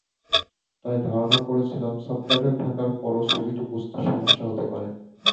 তাই ধারণা করেছিলাম, সাবটাইটেল থাকার পরও ছবিটি বুঝতে সমস্যা হতে পারে।